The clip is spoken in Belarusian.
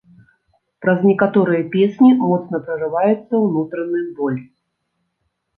Праз некаторыя песні моцна прарываецца ўнутраны боль.